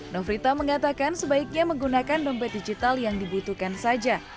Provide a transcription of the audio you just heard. nofrita mengatakan sebaiknya menggunakan dompet digital yang dibutuhkan saja